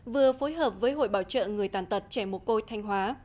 vừa phối hợp với hội bảo trợ người tàn tật trẻ mồ côi thanh hóa